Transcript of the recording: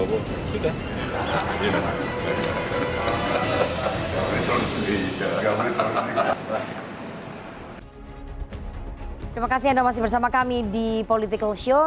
terima kasih anda masih bersama kami di political show